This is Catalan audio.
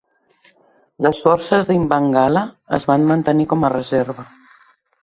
Les forces d'Imbangala es van mantenir com a reserva.